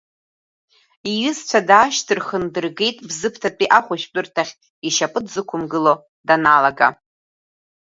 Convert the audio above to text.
Иҩызцәа даашьҭырхын, дыргеит Бзыԥҭатәи ахәышәтәырҭахь, ишьапы дзықәымгыло даналага.